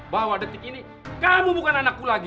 bahwa detik ini kamu bukan anakku lagi